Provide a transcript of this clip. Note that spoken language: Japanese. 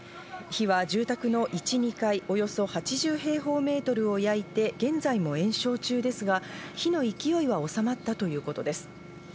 火は住宅の１２階およそ８０平方メートルを焼いて現在も延焼中ですが火の勢いは収まったということです。